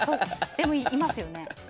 でもいますよね？